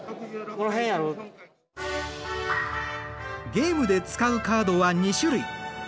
ゲームで使うカードは２種類。